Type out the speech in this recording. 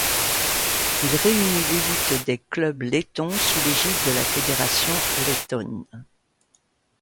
Il réunit l'élite des clubs lettons sous l'égide de la Fédération lettonne.